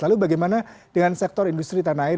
lalu bagaimana dengan sektor industri tanah air